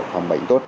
phòng bệnh tốt